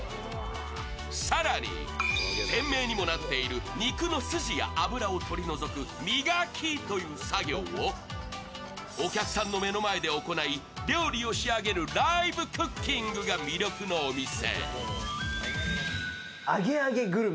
更に店名にもなっている肉や筋や脂をとり除く、磨きという作業をお客さんの目の前で行い料理の仕上げるライブクッキングが魅力のお店。